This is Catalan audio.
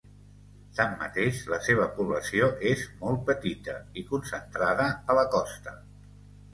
Tanmateix, la seva població és molt petita, i concentrada a la costa.